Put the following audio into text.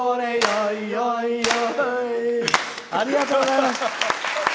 ありがとうございます。